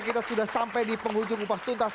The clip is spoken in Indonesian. kita sudah sampai di penghujung upas tuntas